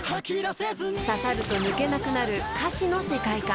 ［刺さると抜けなくなる歌詞の世界観］